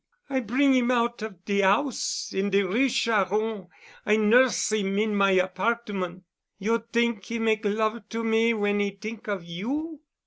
I bring 'im out of de 'ouse in de Rue Charron—I nurse 'im in my apartment. You t'ink 'e make love to me when 'e t'ink of you?"